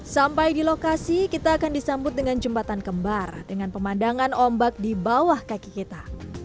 sampai di lokasi kita akan disambut dengan jembatan kembar dengan pemandangan ombak di bawah kaki kita